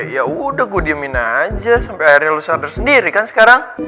ya udah gue diemin aja sampe akhirnya lu sadar sendiri kan sekarang